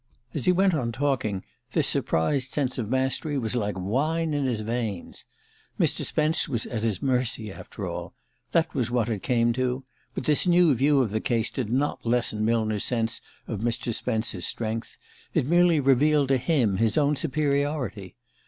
As he went on talking, this surprised sense of mastery was like wine in his veins. Mr. Spence was at his mercy, after all that was what it came to; but this new view of the case did not lessen Millner's sense of Mr. Spence's strength, it merely revealed to him his own superiority.